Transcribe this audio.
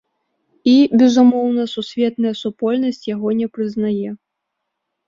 І, безумоўна, сусветная супольнасць яго не прызнае.